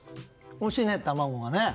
おいしいね、卵がね。